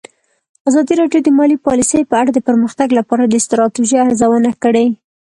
ازادي راډیو د مالي پالیسي په اړه د پرمختګ لپاره د ستراتیژۍ ارزونه کړې.